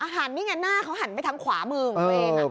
หันนี่ไงหน้าเขาหันไปทางขวามือของตัวเอง